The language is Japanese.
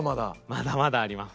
まだまだあります。